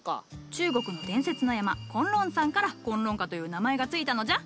中国伝説の山崑崙山から崑崙花という名前が付いたのじゃ。